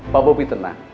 pak bubi tenang